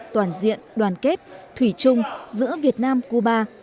toàn diện đoàn kết thủy chung giữa việt nam cuba